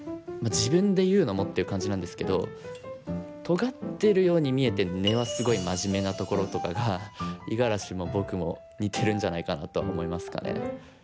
自分で言うのもっていう感じなんですけどとがってるように見えて根はすごいマジメなところとかが五十嵐も僕も似てるんじゃないかなとは思いますかね。